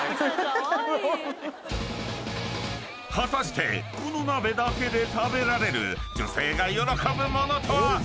［果たしてこの鍋だけで食べられる女性が喜ぶ物とは？］